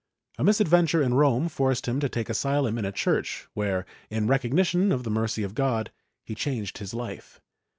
A misadventure in Rome forced him to take asylum in a church where, in recognition of the mercy of God, he changed his life.